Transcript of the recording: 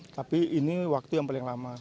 tapi ini waktu yang paling lama